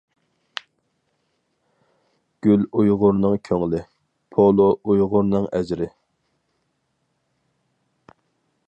گۈل ئۇيغۇرنىڭ كۆڭلى، پولۇ ئۇيغۇرنىڭ ئەجرى.